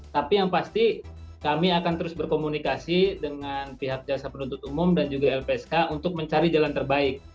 tapi yang pasti kami akan terus berkomunikasi dengan pihak jasa penuntut umum dan juga lpsk untuk mencari jalan terbaik